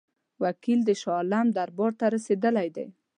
وکیل د شاه عالم دربار ته رسېدلی دی.